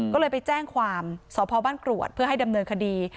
ก็เลยไปแจ้งความสพบ้านกรวดเพื่อให้ดำเนินคดี